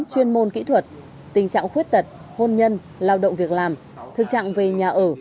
chuyên môn kỹ thuật tình trạng khuyết tật hôn nhân lao động việc làm thực trạng về nhà ở